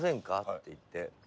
って言って。